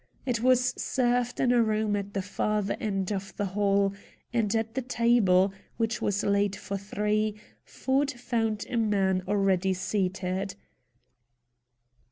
It was served in a room at the farther end of the hall, and at the table, which was laid for three, Ford found a man already seated.